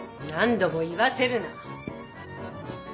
何度も言わせるな。